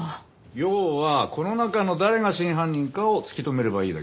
要はこの中の誰が真犯人かを突き止めればいいだけでしょ？